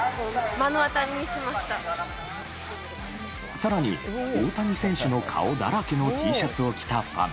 更に、大谷選手の顔だらけのＴシャツを着たファン。